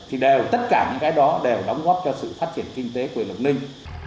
thì đều tất cả những cái đó đều đóng góp cho sự phát triển kinh tế của huyện lộc ninh